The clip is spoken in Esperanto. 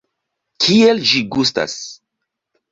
Kiel ĝi gustas?